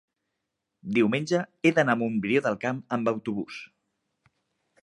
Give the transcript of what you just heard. diumenge he d'anar a Montbrió del Camp amb autobús.